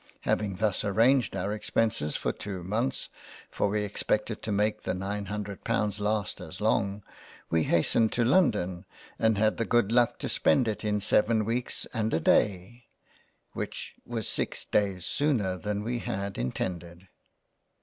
Having thus arranged our Expences for two months (for we expected to make the nine Hundred Pounds last as long) we hastened to London and had the good luck to spend it in 7 weeks and a Day which was 6 Days sooner than we had intended.